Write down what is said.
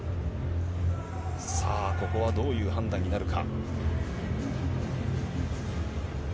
さあ、ここはどういう判断になるか。